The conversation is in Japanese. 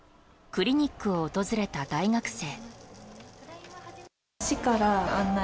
クリニックを訪れた大学生。